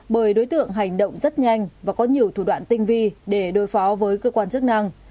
bởi đối tượng hành động rất nhanh và có nhiều thủ đoạn tinh vi để đối phó với cơ quan chức năng